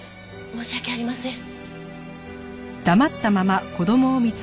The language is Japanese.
申し訳ありません。